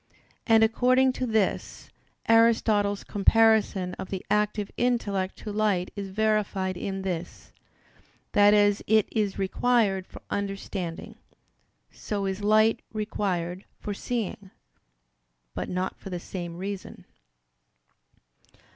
And according to this, Aristotle's comparison of the active intellect to light is verified in this, that as it is required for understanding, so is light required for seeing; but not for the same reason.